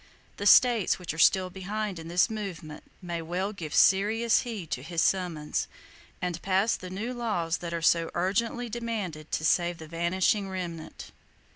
The states which are still behind in this movement may well give serious heed to his summons, and pass the new laws that are so urgently demanded to save the vanishing remnant.